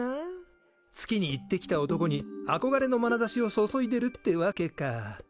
月に行ってきた男にあこがれのまなざしを注いでるってわけか。